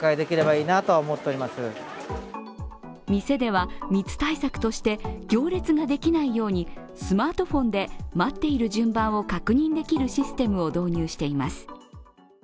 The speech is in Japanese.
店では密対策として行列ができないようにスマートフォンで待っている順番を確認できるシステムを導入しています。